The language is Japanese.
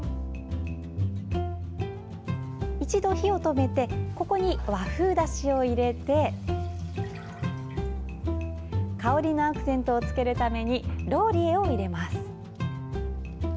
一度、火を止めてここに和風だしを入れて香りのアクセントをつけるためにローリエを入れます。